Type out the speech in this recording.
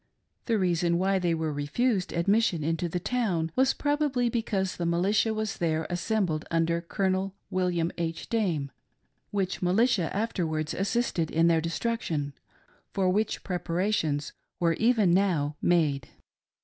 The reason why they were refused admission into the town was probably because the militia was there assembled under Colonel Wm. H. Dame — which militia afterwards assisted in their destruction, for which preparations were even now made.